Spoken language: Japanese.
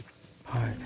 はい。